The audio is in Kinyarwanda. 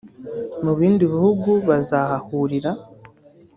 mubindi bihugu bazahahurira